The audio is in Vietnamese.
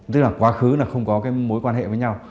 tức là quá khứ là không có cái mối quan hệ với nhau